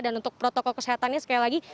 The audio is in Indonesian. dan untuk protokol kesehatannya sekali lagi